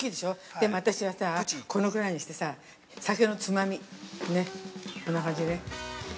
でも私はさ、このくらいにしてさ酒のつまみ。ね、こんな感じでね。